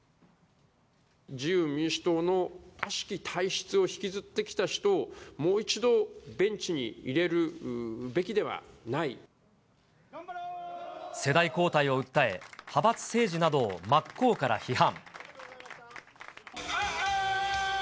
自由民主党の悪しき体質を引きずってきた人をもう一度、世代交代を訴え、派閥政治などを真っ向から批判。